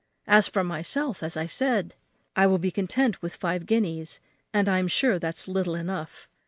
As for myself, as I said, I will be content with five guineas, and I am sure that's little enough.